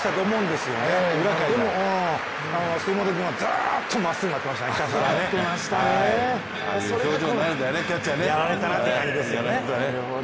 でも杉本君が、ずっとまっすぐにしていましたね。